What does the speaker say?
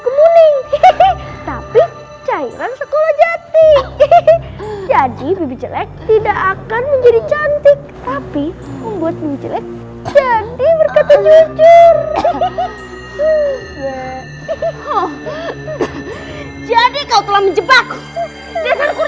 kemuning tapi cairan sekolah jati jadi tidak akan menjadi cantik tapi membuat jadi berkata jujur